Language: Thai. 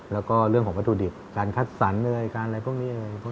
แล้วก็เรื่องของวัตถุดิบการคัดสรรการอะไรพวกนี้